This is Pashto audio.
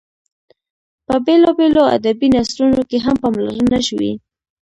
په بېلابېلو ادبي نثرونو کې هم پاملرنه شوې.